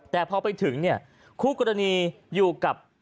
แต่พอไปถึงคุกรณีอยู่กับ